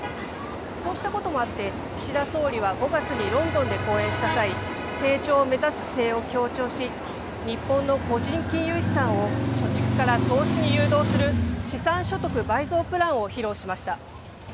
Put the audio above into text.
そうしたこともあって、岸田総理は５月にロンドンで講演した際、成長を目指す姿勢を強調し、日本の個人金融資産を貯蓄から投資に誘導する資産所得倍増プランを披露しました。